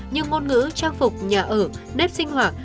như ngôn ngữ trang phục nhà ở nếp sinh hoạt